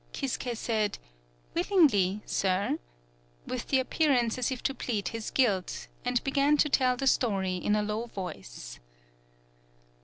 Kisuke said, "Willingly, sir," with the appearance as if to plead his guilt, and began to tell the story in a low voice.